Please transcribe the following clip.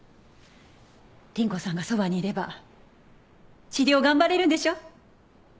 倫子さんがそばにいれば治療頑張れるんでしょ？